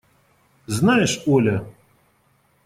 Знаешь, Оля!